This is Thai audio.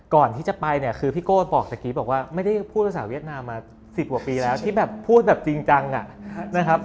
ก่อนที่จะไปเนี่ยคือพี่โก้บอกเมื่อกี้บอกว่าไม่ได้พูดภาษาเวียดนามมา๑๐กว่าปีแล้วที่แบบพูดแบบจริงจังนะครับ